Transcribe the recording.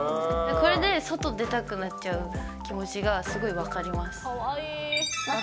これで外出たくなっちゃう気持ちがすごい分かります。